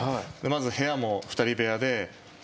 部屋も２人部屋で。